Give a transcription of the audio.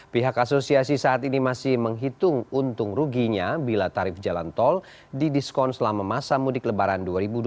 pihak asosiasi saat ini masih menghitung untung ruginya bila tarif jalan tol didiskon selama masa mudik lebaran dua ribu dua puluh